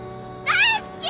大好き！